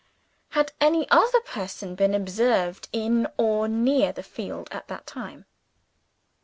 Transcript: Had any other person been observed in or near the field at that time?